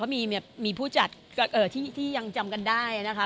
มีผู้จัดที่ยังจำกันได้นะคะ